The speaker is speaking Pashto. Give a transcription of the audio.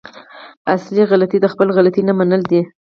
اصلي غلطي د خپلې غلطي نه منل دي.